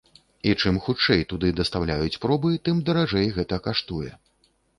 І чым хутчэй туды дастаўляюць пробы, тым даражэй гэта каштуе.